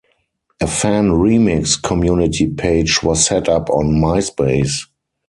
A fan remix community page was set up on MySpace.